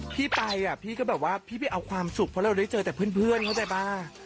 พี่ไปพี่ก็แบบว่าพี่ไปเอาความสุขเพราะเราได้เจอแต่เพื่อนเข้าใจป่ะ